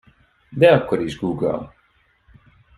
De akkor is Google.